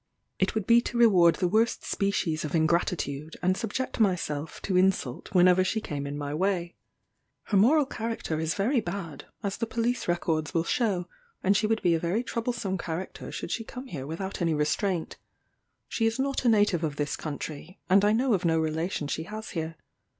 It would be to reward the worst species of ingratitude, and subject myself to insult whenever she came in my way. Her moral character is very bad, as the police records will shew; and she would be a very troublesome character should she come here without any restraint. She is not a native of this country, and I know of no relation she has here.